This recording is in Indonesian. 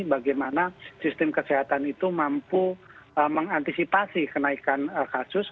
bagaimana sistem kesehatan itu mampu mengantisipasi kenaikan kasus